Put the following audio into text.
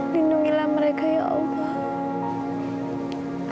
lindungilah mereka ya allah